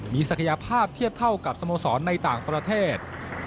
มีศักยภาพเทียบเท่ากับสโมสรในต่างประเทศ